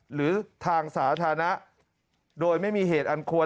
หรือทางสาธารณะโดยไม่มีเหตุอันควร